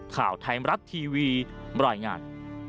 ข่าวไทยมรัฐทีวีบรรยายงาน